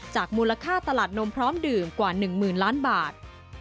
มูลค่าตลาดนมพร้อมดื่มกว่า๑๐๐๐ล้านบาท